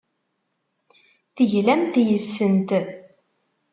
Teglamt yes-sent.